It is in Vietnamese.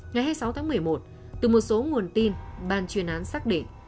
ngày hai mươi sáu tháng một mươi một từ một số nguồn tin bàn truyền án xác định